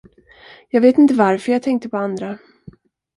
Jag vet inte varför jag tänkte på andra.